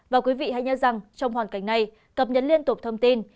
và quý vị hãy nhớ rằng trong hoàn cảnh này cập nhật liên tục thông tin